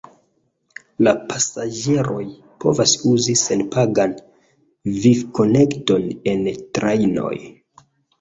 La pasaĝeroj povas uzi senpagan vifi-konekton en trajnoj.